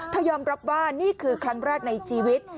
ยอมรับว่านี่คือครั้งแรกในชีวิต